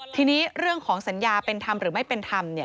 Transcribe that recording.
ทีนี้เรื่องของสัญญาเป็นธรรมหรือไม่เป็นธรรมเนี่ย